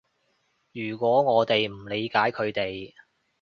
如果我哋唔理解佢哋